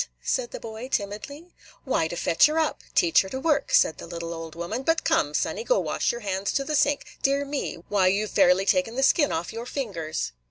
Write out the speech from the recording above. said the boy, timidly. "Why, to fetch her up, – teach her to work," said the little old woman. "But come, sonny, go wash your hands to the sink. Dear me! why, you 've fairly took the skin off your fingers."